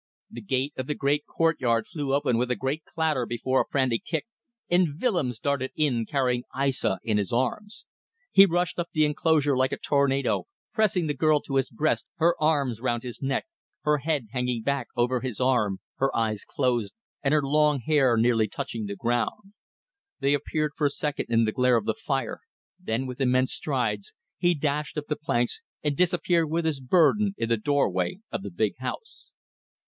The gate of the great courtyard flew open with a great clatter before a frantic kick, and Willems darted in carrying Aissa in his arms. He rushed up the enclosure like a tornado, pressing the girl to his breast, her arms round his neck, her head hanging back over his arm, her eyes closed and her long hair nearly touching the ground. They appeared for a second in the glare of the fire, then, with immense strides, he dashed up the planks and disappeared with his burden in the doorway of the big house.